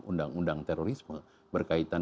undang undang terorisme berkaitan